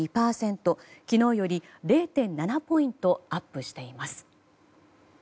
昨日より０．７ポイントアップしています。